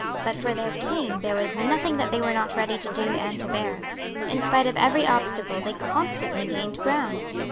But for their King there was nothing that they were not ready to do and to bear. In spite of every obstacle they constantly gained ground.